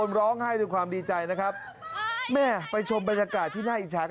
น้องแอดมินสุดสวยของเราถูกรางวัลที่หนึ่งนะคะ